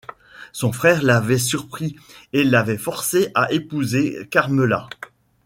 Son frère l'avait surpris et l'avait forcé à épouser Carmela.